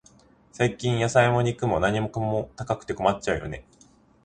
最近、野菜も肉も、何かも高くて困っちゃうよね。